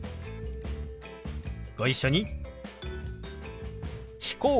ご一緒に。